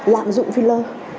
lạm dụng filler